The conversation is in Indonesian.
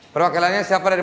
perwakilannya siapa dari